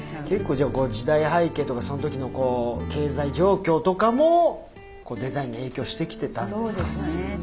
結構じゃあこの時代背景とかその時のこう経済状況とかもデザインに影響してきてたんですかね。